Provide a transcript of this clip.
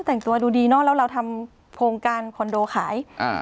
แต่งตัวดูดีเนอะแล้วเราทำโครงการคอนโดขายอ่า